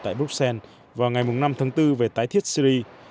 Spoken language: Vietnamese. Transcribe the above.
tại bruxelles vào ngày năm tháng bốn về tái thiết syri